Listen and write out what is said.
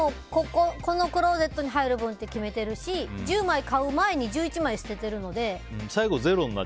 このクローゼットに入る分って決めてるし１０枚買う前に１１枚捨ててるので。